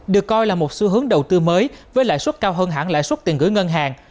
được coi là một xu hướng đầu tư mới với lãi suất cao hơn hãng lãi suất tiền gửi ngân hàng